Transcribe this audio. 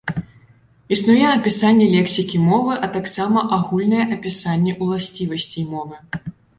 Існуе апісанне лексікі мовы, а таксама агульнае апісанне ўласцівасцей мовы.